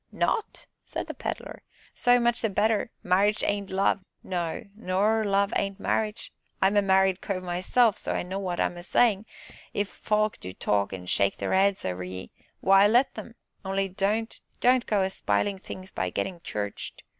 "Not?" said the Pedler, "so much the better; marriage ain't love, no, nor love ain't marriage I'm a married cove myself, so I know what I'm a sayin'; if folk do talk, an' shake their 'eads over ye w'y, let 'em, only don't don't go a spilin' things by gettin' 'churched.'